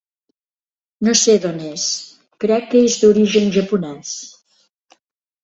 No sé d'on és, crec que és d'origen japonès.